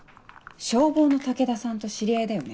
消防の武田さんと知り合いだよね。